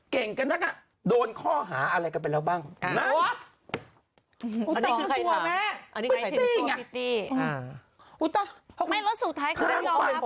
เก่งกันนะคะโดนข้อหาอะไรกันเป็นแล้วบ้างนั้นอันนี้คือไม่รู้สึก